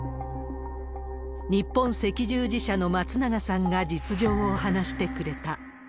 日本赤十字社の松永さんが実情を話してくれた。